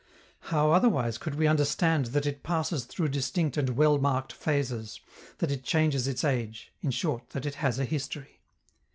How otherwise could we understand that it passes through distinct and well marked phases, that it changes its age in short, that it has a history?